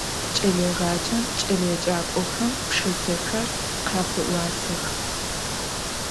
Ç'eleêğacem ç'eleêcak'oxem pşşısexer khafê'uatex.